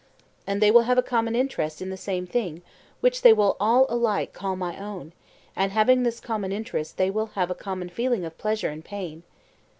And they will have a common interest in the same thing which they will alike call 'my own,' and having this common interest they will have a common feeling of pleasure and pain?